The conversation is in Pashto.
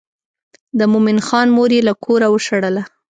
د مومن خان مور یې له کوره وشړله.